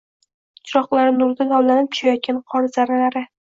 Chiroqlari nurida tovlanib tushayotgan qor zarralari.